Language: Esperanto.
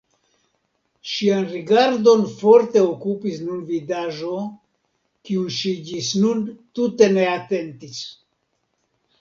Ŝian rigardon forte okupis nun vidaĵo, kiun ŝi ĝis nun tute ne atentis.